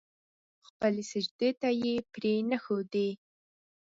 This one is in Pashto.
خپلې سجدې ته يې پرې نه ښودې.